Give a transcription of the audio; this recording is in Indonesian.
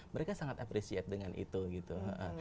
mereka sangat appreciate dengan itu gitu